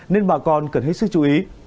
nên bà con cần hết sức chú ý